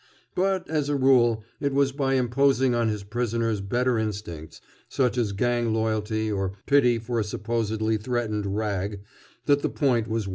But, as a rule, it was by imposing on his prisoner's better instincts, such as gang loyalty or pity for a supposedly threatened "rag," that the point was won.